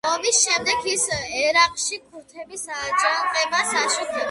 ომის შემდეგ ის ერაყში ქურთების აჯანყებას აშუქებდა.